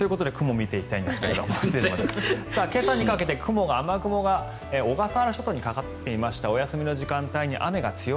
洗濯してますよ。ということで雲を見ていきたいんですが今朝にかけて雲が小笠原諸島にかかっていました。